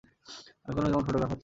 আমি কেমন ফটোগ্রাফার চাই?